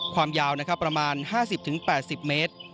ความยาวประมาณ๕๐๘๐เมตร